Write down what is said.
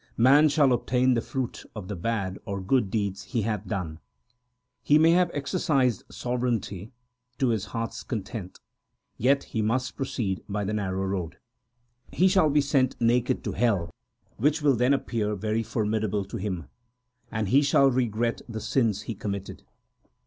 Man shall obtain the fruit of the bad or good deeds he hath done : He may have exercised sovereignty to his heart s content, yet must he proceed by the narrow road. He shall be sent naked to hell, which will then appear very formidable to him ; And he shall regret the sins he committed.